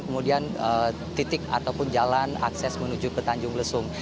kemudian titik ataupun jalan akses menuju ke tanjung lesung